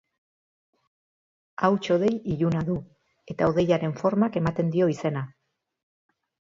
Hauts-hodei iluna du, eta hodeiaren formak ematen dio izena.